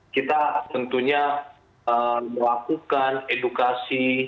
kita tentunya melakukan edukasi